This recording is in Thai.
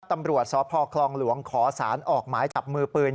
ตำรวจสพคลองหลวงขอสารออกหมายจับมือปืน